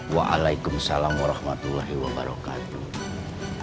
waalaikumsalam warahmatullahi wabarakatuh